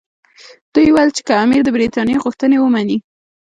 دوی ویل چې که امیر د برټانیې غوښتنې مني.